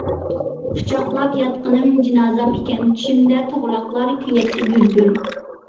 قۇچاقلاپ ياتقىنىم جىنازام ئىكەن، چۈشۈمدە توغراقلار كۆيەتتى گۈر-گۈر.